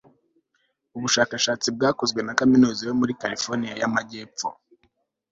ubushakashatsi bwakozwe na kaminuza yo muri carolina y'amajyepfo(medical university of south carolina)